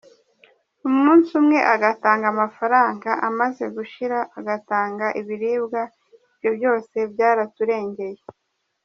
Umunsi umwe agatanga amafaranga, amaze gushira agatanga ibiribwa ibyo byose byaraturengeye.”